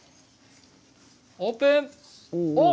オープン。